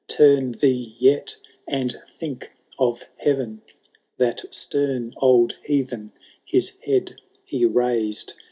Turn thee yet, and think of Heaven !" That stern old heathen his head he raised.